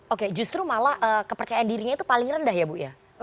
oke justru malah kepercayaan dirinya itu paling rendah ya bu ya